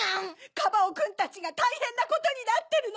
カバオくんたちがたいへんなことになってるの！